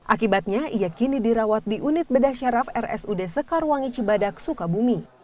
akibatnya ia kini dirawat di unit bedasyaraf rsud sekarwangi cibadak sukabumi